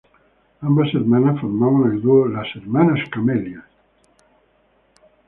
Ambas hermanas formaban el dúo "Las Hermanas Camelias".